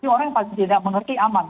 orang yang paling tidak mengerti aman